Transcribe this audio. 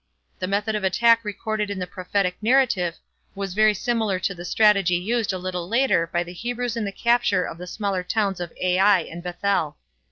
The method of attack recorded in the prophetic narrative was very similar to the strategy used a little later by the Hebrews in the capture of the smaller towns of Ai and Bethel.